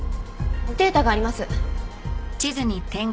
データがあります。